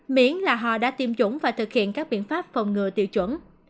miễn là họ đã tiêm chủng và thực hiện các biện pháp phòng ngừa tiêu chuẩn